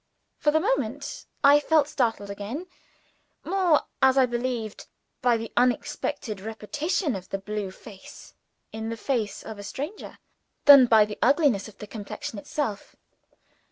For the moment I felt startled again more, as I believe, by the unexpected repetition of the blue face in the face of a stranger, than by the ugliness of the complexion itself.